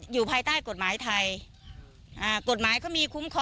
อยู่ภายใต้กฎหมายไทยอ่ากฎหมายก็มีคุ้มครอง